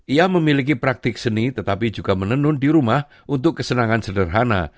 ia memiliki praktik seni tetapi juga menenun di rumah untuk kesenangan sederhana